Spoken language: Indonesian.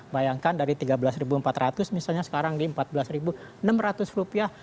bayangkan dari tiga belas empat ratus misalnya sekarang di empat belas enam ratus rupiah